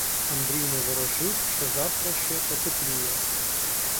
Андрій наворожив, що завтра ще потепліє.